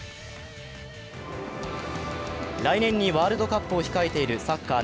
来年にワールドカップを控えているサッカー